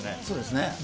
そうですね